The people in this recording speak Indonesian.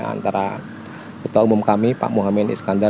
antara ketua umum kami pak mohamad iskandar